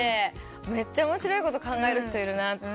めっちゃ面白いこと考える人いるなって思って。